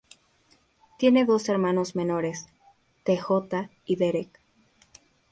Tiene dos hermanos menores: T. J. y Derek.